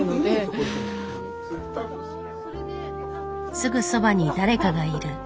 すぐそばに誰かがいる。